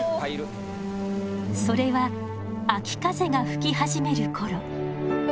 それは秋風が吹き始める頃。